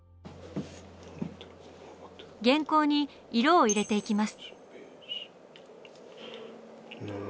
原稿に色を入れていきます。